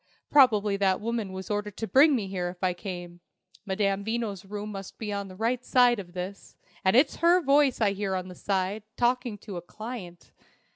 "Probably that woman was ordered to bring me here if I came. Madame Veno's room must be on the right of this, and it's her voice I hear on that side, talking to a client.